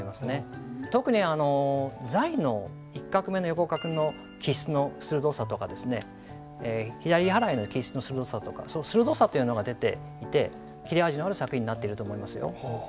特に「在」の１画目の横画の起筆の鋭さとか左払いの起筆の鋭さとかその鋭さというのが出ていて切れ味のある作品になっていると思いますよ。